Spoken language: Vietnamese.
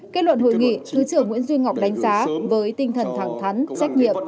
kết luận hội nghị thứ trưởng nguyễn duy ngọc đánh giá với tinh thần thẳng thắn trách nhiệm